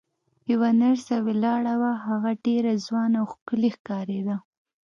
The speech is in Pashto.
یوه نرسه ولاړه وه، هغه ډېره ځوانه او ښکلې ښکارېده.